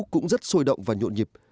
cũng rất sôi động và nhộn nhịp